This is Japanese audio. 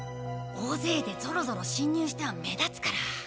大ぜいでゾロゾロ侵入しては目立つから。